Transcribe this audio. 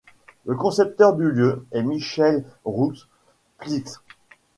Le concepteur du lieu est Michel Roux-Spitz.